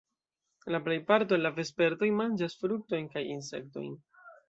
La plejparto el la vespertoj manĝas fruktojn kaj insektojn.